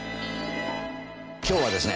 今日はですね